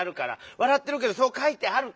わらってるけどそうかいてあるから！